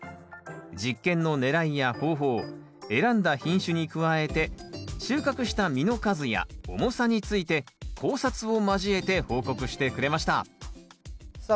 実験のねらいや方法選んだ品種に加えて収穫した実の数や重さについて考察を交えて報告してくれましたさあ